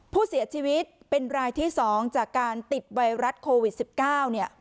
ผู้เสียชีวิตเป็นรายที่๒จากการติดไวรัสโควิด๑๙เนี่ย